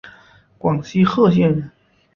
广西贺县人。